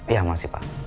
iya masih pak